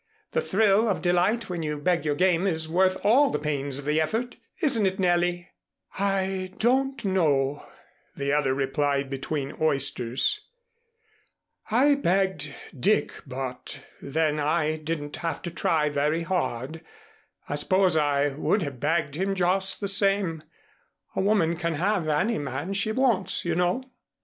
The thrill of delight when you bag your game is worth all the pains of the effort. Isn't it, Nellie?" "I don't know," the other replied, between oysters. "I bagged Dick, but then I didn't have to try very hard. I suppose I would have bagged him just the same. A woman can have any man she wants, you know."